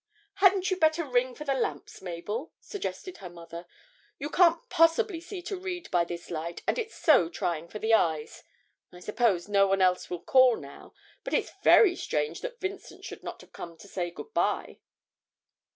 'Hadn't you better ring for the lamps, Mabel?' suggested her mother. 'You can't possibly see to read by this light, and it's so trying for the eyes. I suppose no one else will call now, but it's very strange that Vincent should not have come to say good bye.'